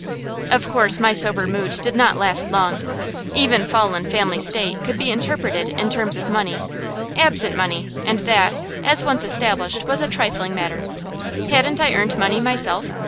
Of course my sober mood did not last long. Even "fallen family state" could be interpreted in terms of money absent money and that, as once established, was a trifling matter. Hadn't I earned money myself?